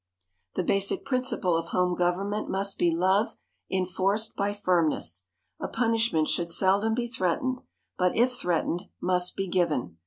The basic principle of home government must be love enforced by firmness. A punishment should seldom be threatened, but if threatened, must be given.